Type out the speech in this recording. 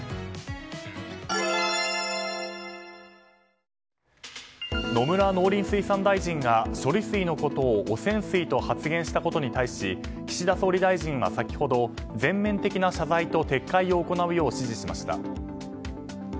本麒麟野村農林水産大臣が処理水のことを汚染水と発言したことに対し岸田総理大臣は先ほど全面的な謝罪と撤回を行うよう指示しました。